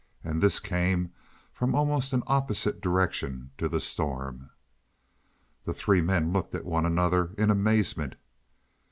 And this came from almost an opposite direction to the storm. The three men looked at one another in amazement.